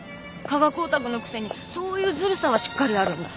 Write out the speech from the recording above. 科学オタクのくせにそういうずるさはしっかりあるんだ？